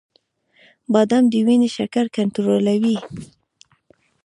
• بادام د وینې شکر کنټرولوي.